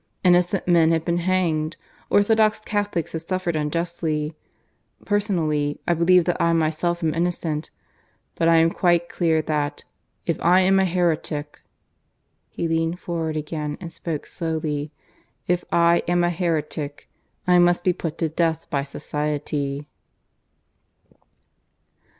Innocent men have been hanged. Orthodox Catholics have suffered unjustly. Personally I believe that I myself am innocent; but I am quite clear that if I am a heretic" (he leaned forward again and spoke slowly), "if I am a heretic, I must be put to death by society."